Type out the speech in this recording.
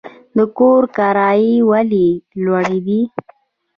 د کور کرایې ولې لوړې دي؟